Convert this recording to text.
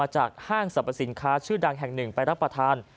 ห้างสรรพสินค้าชื่อดังแห่งหนึ่งไปรับประทาน